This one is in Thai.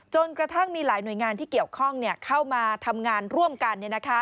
จนกระทั่งมีหลายหน่วยงานที่เกี่ยวข้องเข้ามาทำงานร่วมกัน